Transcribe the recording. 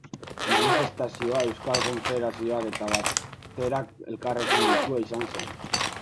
Manifestazioa Euskal Konfederazioak eta Baterak elkarrekin deitua izan zen.